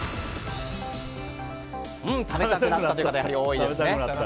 食べたくなったという方がやはり多いですね。